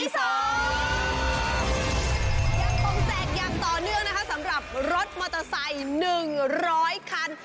ยังคงแจกอย่างต่อเนื่องนะคะสำหรับรถมอเตอร์ไซค์๑๐๐คัน